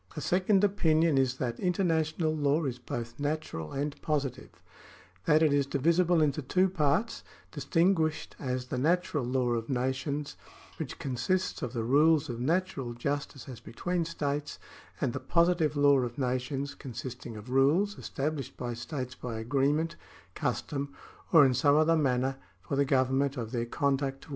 A second opinion is that international law is both natural and positive — that it is divisible into two parts, distinguished as the natural law of nations, which consists of the rules of natural justice as between states, and the positive law of nations, consisting of rules established by states by agree ment, custom, or in some other manner, for the government of their conduct towards each other.